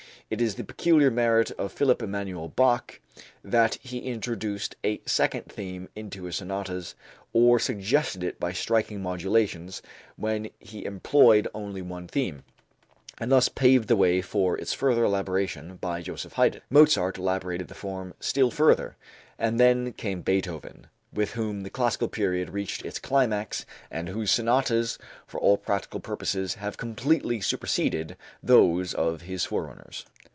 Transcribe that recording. It is the peculiar merit of Philipp Emanuel Bach that he introduced a second theme into his sonatas, or suggested it by striking modulations when he employed only one theme, and thus paved the way for its further elaboration by Joseph Haydn. Mozart elaborated the form still further, and then came Beethoven, with whom the classical period reached its climax and whose sonatas for all practical purposes have completely superseded those of his forerunners.